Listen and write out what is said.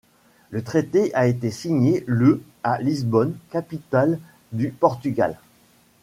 Le Traité a été signé le à Lisbonne, capitale du Portugal.